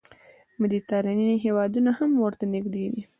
مدیترانې هېوادونه هم ورته نږدې دي.